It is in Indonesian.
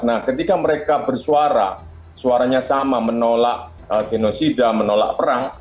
nah ketika mereka bersuara suaranya sama menolak genosida menolak perang